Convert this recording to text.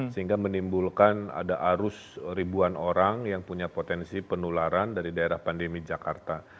sehingga menimbulkan ada arus ribuan orang yang punya potensi penularan dari daerah pandemi jakarta